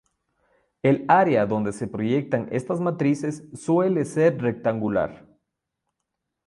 El área donde se proyectan estas matrices suele ser rectangular.